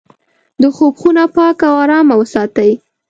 د خوب خونه پاکه او ارامه وساتئ.